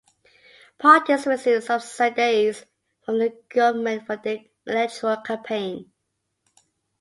Parties receive subsidies from the government for their electoral campaign.